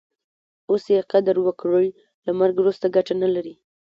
اوس ئې قدر وکړئ! له مرګ وروسته ګټه نه لري.